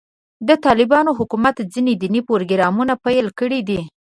د طالبانو حکومت ځینې دیني پروګرامونه پیل کړي دي.